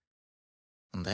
で？